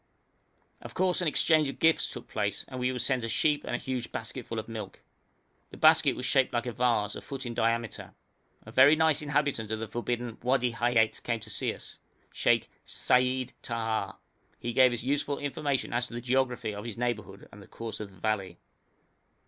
Of course an exchange of gifts took place, and we were sent a sheep and a huge basketful of milk. The basket was shaped like a vase, a foot in diameter. A very nice inhabitant of the forbidden Wadi Hayet came to see us, Sheikh Seyyid Ta'ah. He gave us useful information as to the geography of his neighbourhood and the course of the valley.